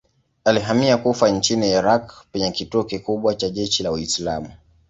Alihamia Kufa nchini Irak penye kituo kikubwa cha jeshi la Uislamu.